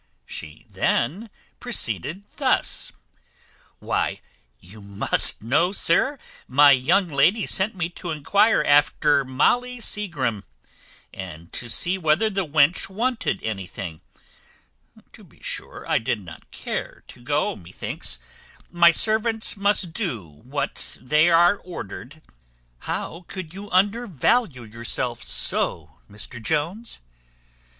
She then proceeded thus: "Why, you must know, sir, my young lady sent me to enquire after Molly Seagrim, and to see whether the wench wanted anything; to be sure, I did not care to go, methinks; but servants must do what they are ordered. How could you undervalue yourself so, Mr Jones?